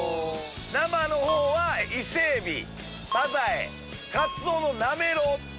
生のほうは伊勢海老サザエカツオのなめろう。